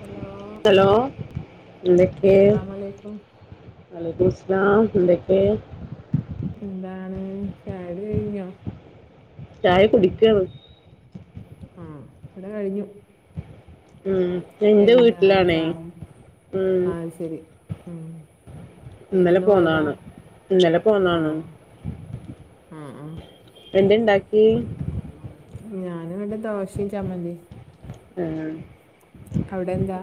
Hello hello അസ്സലാമലൈക്കും. വലൈക്കുംമുസ്ലാം എന്തക്കേ? എന്താണ് ചായൊടി കഴിഞ്ഞോ? ചായ കുടിക്കാണ്. ആഹ് ഇവിടെ കഴിഞ്ഞു. ഉം ഞാൻ എന്റെ എന്താ ആ വീട്ടിലാണേ ചായ ഉം ആഹ് ശരി ഉം ഇന്നലെ വിരുന്ന് പോയതാ പോന്നാണ് ഇന്നലെ പോന്നാണ്. ആഹ് ആഹ് എൻതെണ്ടാക്കി? ഞാന്വ്ടെ ദോഷിം ചമ്മന്തിം ആഹ് അവ്ടെന്താ?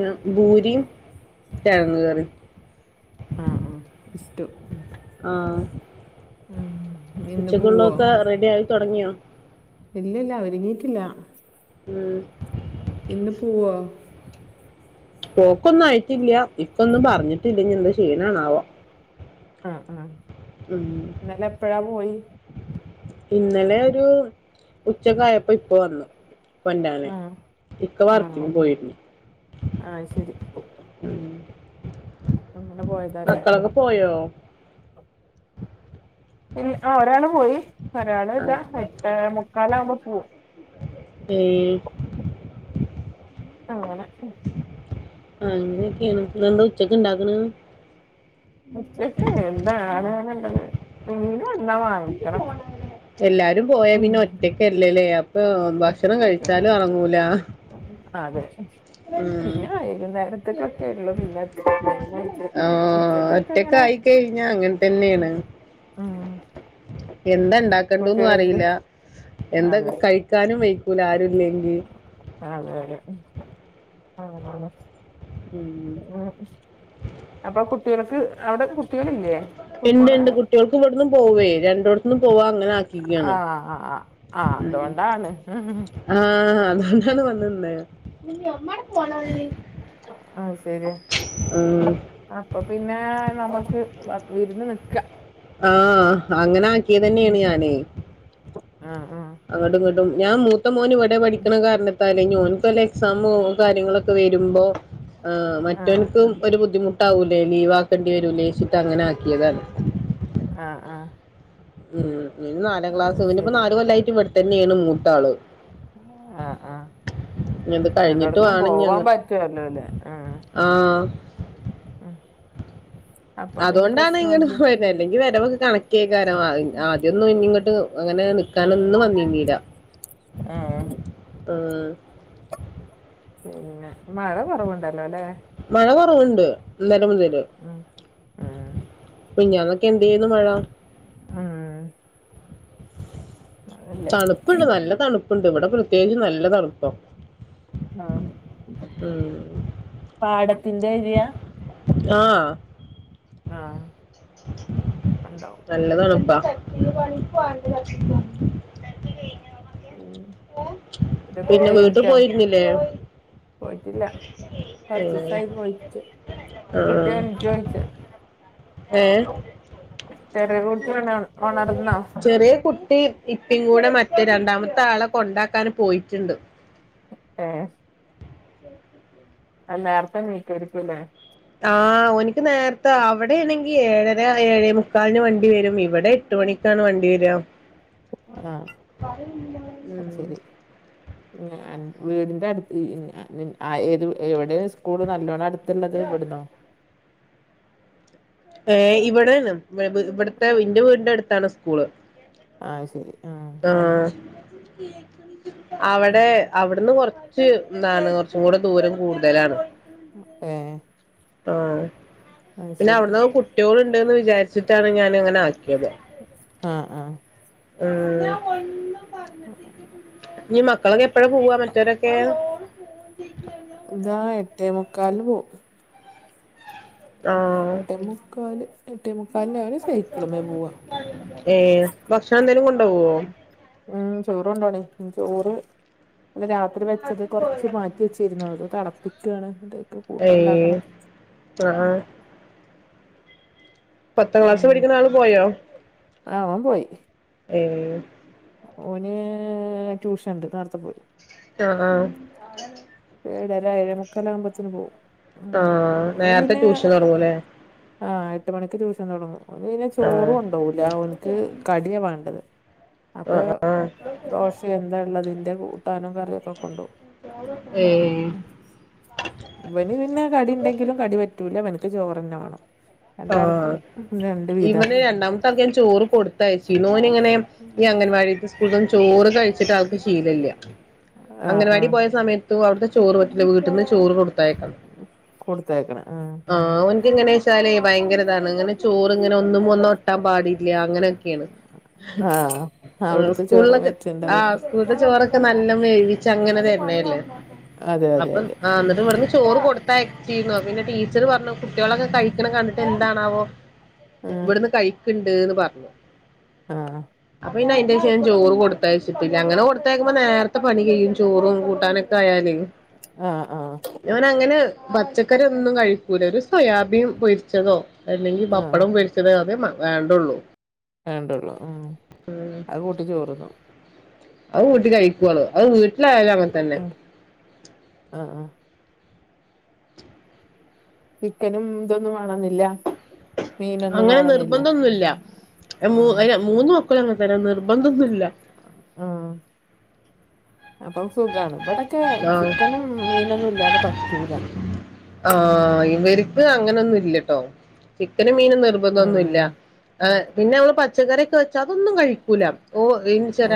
ഏ ഭൂരിം കെഴങ്ങ് കറിം. ആഹ് ആഹ് ഇസ്റ്റ് ഉം ആഹ് ഇന്ന് പോവോ ഉച്ചക്കുള്ളൊക്കെ റെഡി ആയി തൊടങ്ങിയോ? ഇല്ലല്ല ഒരുങ്ങീറ്റില്ല. ഉംഹ്. ഇന്ന് പോവോ? പോക്കൊന്നും ആയിട്ടില്ല. ഇപ്പൊന്നും പറഞ്ഞിട്ടില്ല. ഇനി എന്താ ചെയ്യണാന്നാവാ. ആഹ് ആഹ്. ഉംഹ്. ഇന്നലെ എപ്പഴാ പോയി ഇന്നലെ ഒരു ഉച്ചക്കായപ്പോ ഇപ്പൊ വന്നു. കൊണ്ട്രാന് ആഹ് ഇക്ക വർക്കിനും പോയിരുന്നു. ആഹ അയ്ശരി ഉം അങ്ങനെ പോയതല്ലേ. മക്കളൊക്കെ പോയോ? ല്ല ഒരാള് പോയി ഒരാള് ആ ഇതാ എട്ടേമുക്കാലാവുമ്പോ പോവും. ഏഹ്. അങ്ങനെ. ആ അങ്ങനൊക്കെയാണ്. ഇന്നെന്താ ഉച്ചക്ക് ണ്ടാക്കണ്. ഉച്ചക്കയ്ക്ക് എന്താണ്ന്ന്ണ്ടത് മീന്വന്നാ വാങ്ങ. എല്ലാരും പോയാ പിന്നെ ഒറ്റക്കല്ലേ. ഇപ്പ ഭക്ഷണം ഉച്ചക്കാണ് കഴിച്ചാലും എറങ്ങൂല. അതെ ഉം പിന്നെ വൈകുന്നേരത്ത്ക്കൊക്കെ ഉള്ളു പിന്നെ. മെയിനായിട്ട് ആഹ് ഉച്ചക്കൊക്കെ ഇങ്ങനെ ഒറ്റക്കായി കഴിഞ്ഞാ അങ്ങൻതന്നെയാണ്. ഉം എന്തണ്ടാ. ണ്ടെന്നു കുട്ടികൾക്ക് അറിയില്ല. എന്തൊ അതെ കഴിക്കാനും വഴ്ക്കൂല ആരുല്ലെങ്കിൽ. അ അതെ അതെ അങ്ങൻതന്നെ ഉം ഉംഹ്. അപ്പൊ കുട്ടികൾക്ക് അവിടെ കുട്ടികളില്ലേ? സ്കൂള് പോണെ. കുട്ട്യാൾക്ക് ഇവിടുന്നും പോവേ രണ്ടോട്‌ത്ത്ന്നും പോവാ അങ്ങനെ ആക്കി. ആ ആഹ് ആഹ് ആഹ് അതുകൊണ്ടാണ്. ആഹ് അതോണ്ടാണ് വന്ന്നിന്നത്. അത് ശരിയാ ആഹ്. അപ്പൊ പിന്നെ നമുക്ക് വിരുന്ന് നിൽക്കാ. ആഹ് അങ്ങനെ ഉം ആക്കിയതന്നെയാണ് ഞാന്. ആഹ് ആഹ്. അങ്ങട്ടുംഇങ്ങോട്ടും ഞാൻ മൂത്ത മോൻ ഇവിടെ പഠിക്കണ കാരണം. തലേ ന്ന് ഓൻക്ക് വല്ല എക്സാമോ കാര്യങ്ങളൊക്കെ വരുമ്പോ ആ ആഹ് മറ്റോൻക്കും ഓരോ ബുദ്ധിമു. ട്ടാവൂലേ ലീവാക്കേണ്ടി വരൂ ലേച്ചിട്ട് അങ്ങനെ ആക്കിയതാണ്. ആഹ് ആഹ്. ഉംഹ്. ഇ നാലാം അത് ക്ലാസ് പിന്നിപ്പോ ശരി നാല് കൊല്ലായിട്ട് ഇവിടെ തന്നെയാണ് മൂത്താള്. ആഹ് ആഹ് ഇനി ഇത് കഴിഞ്ഞിട്ട് രണ്ടോട്ത്ത്ന്നും വേണം ഇനി പോവാൻ അങ്ങോട്ട് പറ്റുവല്ലോല്ലേ ഉം ആഹ്. ഉംഹ്. അതോണ്ടാണ് ഇങ്ങട്ട് പോര്നന്നെ. അല്ലെങ്കി വരവൊക്കെ കണക്കേക്കാരം ആദ്യന്നും ഇനി ഇങ്ങട്ട് അങ്ങനെ നിൽക്കാനൊന്നും വന്നീന്നീല. ആഹ്. ആഹ്. പിന്നെ മഴ കുറവുണ്ടല്ലോ ല്ലേ. മഴ കുറവുണ്ട് ഇന്നല മുതല്. ഉം ഉം മിഞ്ഞാന്നൊക്കെ എന്തേനു മഴ. ആഹ്. തണുപ്പുണ്ട് നല്ല തണുപ്പുണ്ട് ഇവിടെ പ്രത്യേകിച്ച് നല്ല തണുപ്പാ. ആഹ്. ഉംഹ്. പാടത്തിന്റേരിയ. ആഹ്. ആഹ് ഇപ്പണ്ടാവും. [unintelligible] ഉം എന്റെ പിന്നെ കുട്ടി വീട്ടു എണീറ്റോ പോയിരുന്നില്ലേ? പോയിട്ടില്ല ഉം. കൊറച്ചിസായി പോയിട്ട്. കുട്ടി എണിറ്റോ ചോദിക്ക? ഏഹ് [unintelligible] ഉണർന്നോ ചെറിയ കുട്ടി. ഇപ്പ കൂടെ മറ്റേ രണ്ടാമത്തെ ആളെ കൊണ്ടാക്കാൻ പോയിട്ടുണ്ട്. ഏഹ് [inaudible] അ നേർത്തെ ണീക്കാരിക്കുല്ലേ? ആ ഓന്ക്ക് നേരത്തെ അവിടേണെങ്കി ഏഴര ഏഴേ മുക്കാലിന് വണ്ടി വരും ഇവിടെ എട്ട് മണിക് ക്കാണ് വണ്ടിവര്വ ആ അത് ഉം. ശെരി. ഞാൻ വീടിൻ്റെ അട് [unintelligible] എവിടെ സ്കൂള് നല്ലോണട് ത്ത്ള്ളത് ഇവ്ടന്നോ ഏ ഇവിടെണ് ഇവ വി ഇവിടുത്തെ വി എന്റെ വീടിന്റെ അടുത്താണ് സ്കൂള്. ആ ശെരി ആ ആഹ് അവിടെ അവിടുന്ന് കൊറച്ച് ച്ച് ന്താണ് കുറച്ചുങ്കൂടെ ദൂരം കൂടുതലാണ്. ഏ ആ പിന്നെ ശരി അവിടന്നൊക്കെ കു ട്ട്യോള്ണ്ട്ന്ന് വിചാരിച്ചിട്ടാണ് ഞാന് ഇങ്ങനെ ആക്കിയത്. ആഹ് ആഹ് ഏ ഇനി മക്കളൊക്ക എപ്പഴ പോവാ മറ്റോരൊക്കെ? ഇതാ എട്ടേ മുക്കാൽനു പോ ആഹ് എട്ടേ മുക്കാല് എട്ടേ മുക്കാലിന് ഓന് സൈക്കിളുമേ പോവാ ഏ ഭക്ഷണന്തേലും കൊണ്ടോവോ? മ് ചോറ് കൊണ്ടോണേ ചോറ് ന്നല രാത്രി വെച്ചത് കൊറച്ച് മാറ്റി വെച്ച്. [unintelligible] തെളപ്പിക്കാ [unintelligible] ഏ ആ പത്താം ക്ലാസ് പിന്നെ പഠിക്കണ ആള് പോയോ ആഹ് അവൻ പോയി ഏ ഓന് ട്യൂഷണ്ട് നേരത്തപ്പോയി. ആ ആ ഏഴര ഏഴേ മുക്കാൽ ആകുമ്പത്ത്തിന് പോകും. ആഹ് നേരത്തെ ട്യൂഷൻ തൊടങ്ങൂല്ലേ? ആഹ് എട്ട് മണിക്ക് ട്യൂഷൻ തൊടങ്ങും. അവന് പിന്നെ ചോറ് ആഹ് കൊണ്ടോവൂലാ ഓൻക്ക് കടിയാ വാണ്ടത് അപ്പൊ ആഹ് ദോശെ എന്താ എള്ളതിന്റെ കൂട്ടാനും കറിയൊക്കെ കൊണ്ടോകും. ഏ ഇവന് പിന്നെ കടി ഇണ്ടെങ്കിലും കടി പറ്റൂല്ല ഇവനിക്ക് ചോറെന്നെ വാണം. രണ്ടാള്ക്കും ആഹ് ഇവന് രണ്ടാമത്താൾക്ക് ഞാൻ ചോറ് കൊടുത്തയച്ചിനു ഓന് ഇങ്ങനെ ഈ അംഗൻവാടിതെ [unintelligible] ചോറ് കഴിച്ചിട്ട് ആൾക്ക് ശീലല്ല്യ ആഹ് അഗനവാടി ആഹ് പോയ സമയത്ത് ത്തു അവിട്ത്തെ ചോറ് പറ്റുല്ല വീട്ടിന്ന് ചോറ് കൊടുത്തേക്കണം കൊടുത്തയക്കണെ ആഹ് ആ ആ ഓൻക്ക് എങ്ങനെച്ചാലേ ഭയങ്കരതാണ് ഇങ്ങനെ ചോറ് ഇങ്ങനെ ഒന്നുംമൊന്ന് ഒട്ട് ട്ടാൻ പാടില്ല്യ അങ്ങനെയൊക്കേണ് ആഹ് ആ അവിടുത്തെ ചോറ് സ്കൂളിലൊക്കെ ആ പറ്റ്ണ്ടാവൂല സ്കൂള്ത്തെ ചോറൊക്കെ നല്ല വേവിച്ച ങ്ങനെ തര്ണല്ലേ? അതെ അതെ അപ്പം അതെ ആ ഉം ന്നിട്ട് ഇവിടുന്ന് ചോറ് കൊടുത് [unintelligible] പിന്നെ ടീച്ചർ പറഞ്ഞു കുട്ട്യോളൊക്കെ കഴിക്കണം കണ്ടിട്ട് എന്താണാവോ ആഹ് ഇവിടുന്ന് കഴക്ക്ണ്ട് ന്ന് പറഞ്ഞു ആഹ് അപ്പൊ പിന്നെ അയിന്റെ ശേഷം ഞാൻ ചോറ് കൊടുത്തയച്ചിട്ടില്ല അങ്ങനെ കൊടു- ത്തേക്കുമ്പോ നേരത്തെ പണി കെയ്യും ചോറും കൂട്ടാനൊക്കെ ആയാല് ആഹ് ആഹ് ഇവൻ അങ്ങനെ പച്ചക്കറി ഒന്നും കഴിക്കൂല ഒരു സോയാബീൻ പൊരിച്ചതോ അല്ലെങ്കി ആഹ് പപ്പടം പൊരിച്ചത് അതെ മേ വേണ്ടുള്ളൂ വേണ്ടുള്ളൂ ഉം അത് കൂട്ടിച്ചോറ്ന്നോളും അത് കൂട്ടി കഴിക്കോള് അത് വീട്ടിലായാലും അങ്ങനെ തന്നെ ഉം ആഹ് ആഹ് ചിക്കനും ഇതൊന്നും വേണോന്നില്ല അങ്ങനെ നിർബന്ധന്നുമല്ല ആഹ് മൂന്ന് മക്കള് അങ്ങനെ തന്നെ നിർബന്ധന്നൂല്ല ഉം അപ്പൊ സുഖാണ് ഇവടെ ക്കെ ആഹ് ചിക്കനും മീനൊന്നും ഇല്ലാതെ പറ്റൂല ആഹ് ഇവർക്ക് അങ്ങനൊന്നും ഇല്ലട്ടോ ചിക്കനും മീനും ഉം നിർബന്ധന്നുല്ല ആ പിന്നെ മ്മള് പച്ചക്കറിക്കെവെച്ച അതൊന്നും കഴിക്കൂല ഓ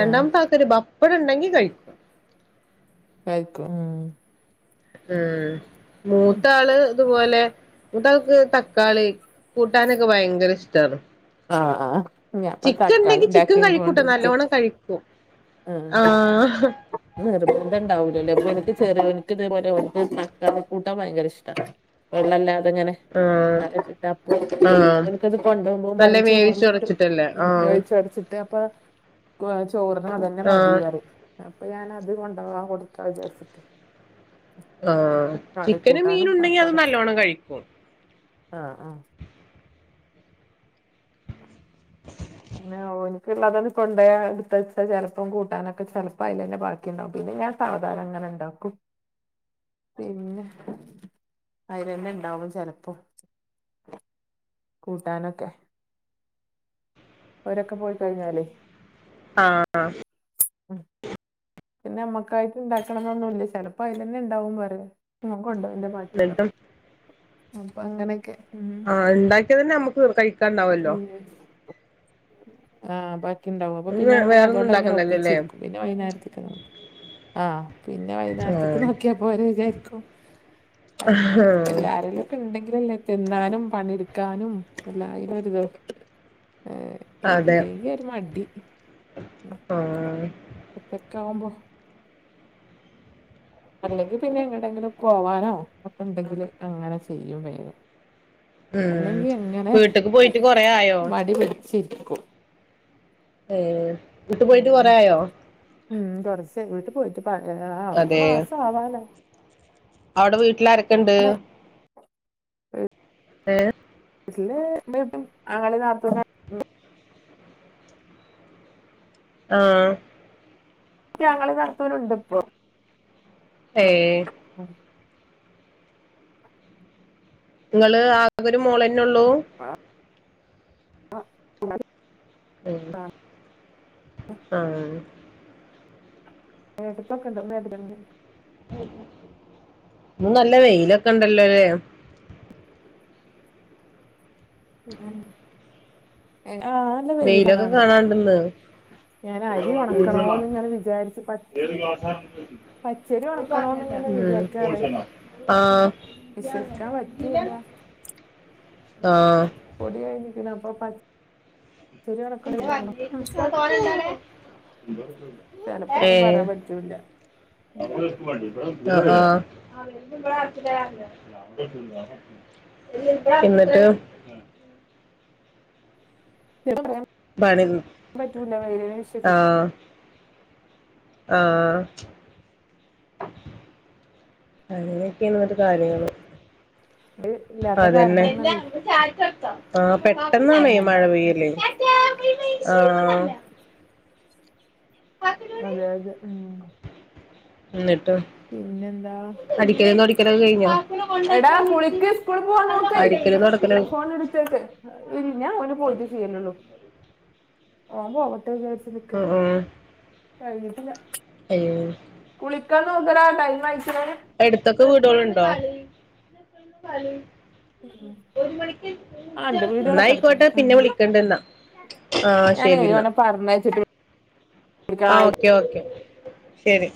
ആഹ് ആൾക്ക് - ഒര് പപ്പടം ഉണ്ടെങ്കി കഴിക്കും കയിക്കും ഉം ഉം മൂത്ത ആള് ഇത്പോലെ മൂ ത്താൾക്ക് തക്കാളി കൂട്ടാനൊക്കെ ഭയങ്കര ഇഷ്ട്ടാണ് ആഹ് ആഹ് ഞാൻപ്പ ചിക്കൻ തക്കാളി ണ്ടെങ്കി ചിക്കൻ കഴിക്കൂട്ട ഉണ്ടാക്കിക്കൊണ്ടിരിക്ക നല്ലോണ്ണം കഴിക്കും ആഹ് ഹ നിർബന്ധണ്ടാവൂല്ലല്ലേ അപ്പൊ എനിക്ക് ചെറിയൊന്ക്ക് ഇതുപോലെക്ക്ച്ചക്കാ കൂട്ടാൻ ഭയങ്കര ഇഷ്ട്ട വെള്ളല്ലാതങ്ങനെട ആഹ് അപ്പ ആഹ് എനിക്കത് കൊണ്ട് പോകുമ്പൊ നല്ല വെറും ചോറിന വേവിച്ചുടച്ചിട്ടല്ലേ ആഹ് [unintelligible] ആഹ് അപ്പൊഞാനത് കൊണ്ടാവാൻ കൊടുക്കാ വിചാരിച്ചിട്ടെ ആഹ ചിക്കനും മീൻ തള്ളിക്കൂട്ടാനും ഉണ്ടെങ്കി അത് പപ്പടം നല്ലോണ്ണം കഴിക്കും ആഹ് ആഹ് ഓഹ് എനക്ക്ള്ളത് കൊണ്ടോവ എടുതെ ച്ച ചെലപ്പം കൂട്ടാനൊക്കെ ചെ ലപ്പോ അതില തന്നെ ബാക്കിണ്ടാവും പിന്നെ ഞാൻ സാവധാനം അങ്ങനെ ഉണ്ടാക്കും പിന്നെ അയിലന്നെണ്ടാവും ചെ ലപ്പൊ കൂട്ടാനൊക്കെ ഓരൊക്കെ പോയിക്കഴിഞ്ഞാലേ ആഹ് ആഹ് പിന്നെമ്മക്കായിട്ട് ഉണ്ടാക്കണം എന്നൊന്നുല്ല ഇ ചെലപ്പൊ അതിൽ തന്നെ ഉണ്ടാവും പറ നിങ്ങക്ക്ണ്ടോന്റെ ബാക്കിണ്ടകും എന്നിട്ടും അപ്പൊ അങ്ങനെയൊക്കെ ആഹഹ് ഉണ്ടാക്കിയാതന്നെ നമുക്ക് കഴിക്കാണ്ടാവല്ലോ ഉം ആഹ ബാക്കിണ്ടാവും അപ്പൊ ഇന്ന് പിന്നെ അങ്ങനെ വേറൊന്നും അതുകൊണ്ട്ങ്ങനെ ഉണ്ടാക്കണ്ടല്ലോല്ലേ ഒപ്പിച്ചിരിക്കും പിന്നെ വൈകുന്നേരത്ത് ആഹ് പിന്നെ വൈകുന്നേരത്തേക്ക് ആഹ് നോക്കിയാ പോരേ വിചാരിക്കും ആഹ് എല്ലാരെലുംക്കെ ഉണ്ടെങ്കിലല്ലേ തിന്നാനും പണിയെടുക്കാനും എല്ലായിനും ഒരിത് ഏഹ് അതെ ഇല്ലെങ്കി ഒരു മടി ആഹ് ഒറ്റക്കാവുമ്പൊ അല്ലെങ്കിൽ പിന്നെ എങ്ങടെങ്കിലും പോവാനോ ഒക്കെ ഉണ്ടെങ്കില് അങ്ങനെ ചെയ്യും വേഗം ഉം അല്ലെങ്കി അങ്ങനെ വീട്ട്ക്ക് പോയിട്ട് കൊറേ ആയോ മടി പിടിച്ചിരിക്കും വീട്ടിൽ പോയിട്ട് ഉം കുറേആയോ ഉം കൊറച്ചായി വീട്ട് പോയിട്ട് ആ ഒരു അതെ മാസം ആവാനായി അവിടെ വീട്ടില് ആരൊക്കെ ഉണ്ട് അ പേ ഇ ആങ്ങളീം നാത്തൂനാ ആ ആങ്ങളീം നാത്തൂണ്ട് പ്പൊ ഏ മ് ങ്ങള് ആകെ ഒരു മോളന്നെ ഒള്ളൂ ആ [unintelligible] [unintelligible] ഇന്ന് നല്ല വെയിലൊക്കെണ്ടല്ലോലെ. ഉം ഉം പിന്നെ [unintelligible] വെയിലൊക്കെ കണ്ട് കാണാണ്ട്ന്ന്. ഉം ഞാൻ അരി ഉണക്കണോന്ന് ഇങ്ങനെ വിചാരിച്ച് പച്ച പച്ചരി [unintelligible] ഉണക്കണോന്ന് ഇങ്ങനെ പർഞ്ഞ്ണ്ടായ്ര്ന്നു വിചാരിക്കാറ് ഉം ആഹ് [unintelligible] വിശ്വസിക്കാൻ പറ്റൂല എങ്കിലും ആഹ് റെഡിയായ്ന്നു പിന്നെപ്പൊ പ ഉം. ചെലപ്പൊന്നും ഏഹ് പറയാൻ പറ്റൂല്ല. ആഹ് ആഹ് എന്നട്ട് [unintelligible] പണി പറ്റൂല വെയിലിനെ വിശ്വ ആഹ് ആഹ് അങ്ങനെക്കെണ് ങ്ങട്ട് കാര്യങ്ങള് ഇല്ലാത്ത അതെന്നെ കാരണം അല്ല അങ്ങനെ [unintelligible] ആഹ് പെട്ടെന്നാണെ മഴ ഉം. പെയ്യല് ആഹ് ആ അതെ യതെ ഉം ഇന്നട്ട് പിന്നെന്താ അടിക്കലും തൊടിക്കലൊക്കെ കഴിഞ്ഞോ? എടാ കുളിക്ക് സ്കൂള് പോവാൻ നോക്ക് അടിക്കലും തൊടക്കലും ഫോണ്‌ട്ത്തെക്ക് ഇൽ ഞാ ഓന് പോയിട്ടെ ചെയ്യെലൊള്ളൂ ഓം പോവട്ടെ വിചാര് ച്ച്നിക്ക ഉം ഉം കഴിഞ്ഞിട്ടില്ല. അയ്യോ കുളിക്കാൻ നോക്കടാ ടൈം മായ്ക്ക്ണ്. എട്ത്തൊക്കെ വീടെള്ണ്ടോ? [unintelligible] പണി ഒര് മണിക്ക് ആ ഉണ്ട് സ്‌കൂള് വീഡിയോകളൊക്കെ ന്നായിക്കോട്ടെ എടുക്കണ്ട് പിന്നെ ഉം. വിളിക്കണ്ട് ന്നാ. ഞാനേ ഓനെ പർഞ്ഞയച്ചിട്ട് ആഹ് ഓക്കെ ഓക്കെ ശെരി.